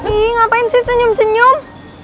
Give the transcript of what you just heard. nih ngapain sih senyum senyum